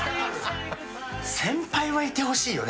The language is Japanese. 先輩はいてほしいよね